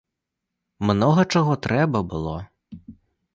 Многа чаго трэба было!